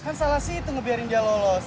kan salah sih itu ngebiarin dia lolos